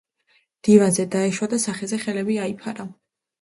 დივანზე დაეშვა და სახეზე ხელები აიფარა